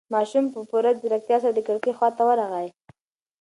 ماشوم په پوره ځيرکتیا سره د کړکۍ خواته ورغی.